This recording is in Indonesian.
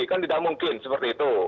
kan tidak mungkin seperti itu